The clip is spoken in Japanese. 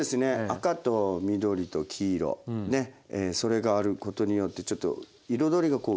赤と緑と黄色ねそれがあることによってちょっと彩りが美しくなるというかはい。